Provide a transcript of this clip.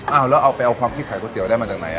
เอ้าแล้วเอาไปเอาฟองพริกไข่ก๋วย้อได้มาจากไหน